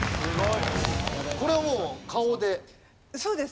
これはもう顔で？